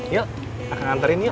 yuk akan anterin yuk